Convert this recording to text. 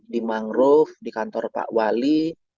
di mangrove di kantor pak wali